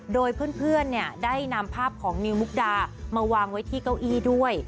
โดยเพื่อนได้นำภาพของนิวมุกดามาวางไว้ที่เก้าอี้ด้วย